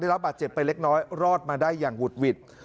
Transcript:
รับบาดเจ็บไปเล็กน้อยรอดมาได้อย่างหุดหวิด